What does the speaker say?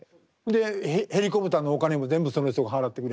でヘリコプターのお金も全部その人が払ってくれはる。